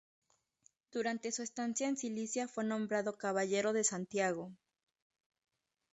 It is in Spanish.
Durante su estancia en Sicilia fue nombrado Caballero de Santiago.